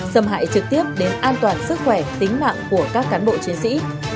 xâm hại trực tiếp đến an toàn sức khỏe tính mạng của các cán bộ chiến sĩ